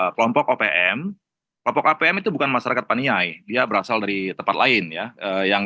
kelompok opm kelompok opm itu bukan masyarakat paniai dia berasal dari tempat lain ya yang